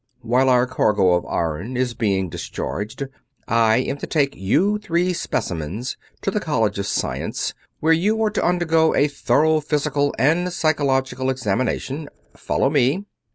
"While our cargo of iron is being discharged, I am to take you three specimens to the College of Science, where you are to undergo a thorough physical and psychological examination. Follow me."